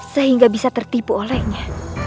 saya tidak bisa tertipu olehnya